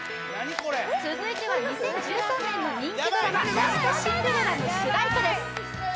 これ続いては２０１３年の人気ドラマ「ラスト・シンデレラ」の主題歌です